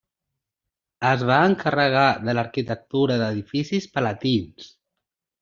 Es va encarregar de l'arquitectura d'edificis palatins.